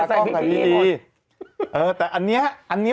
โค้กอื่นแล้วใส่กันอย่างงี้